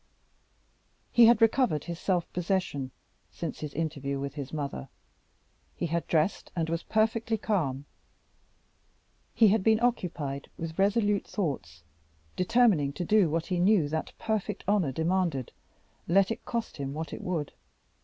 He had recovered his self possession since his interview with his mother: he had dressed and was perfectly calm. He had been occupied with resolute thoughts, determining to do what he knew that perfect honor demanded, let it cost him what it would.